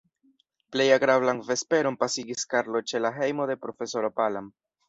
Plej agrablan vesperon pasigis Karlo ĉe la hejmo de profesoro Palam.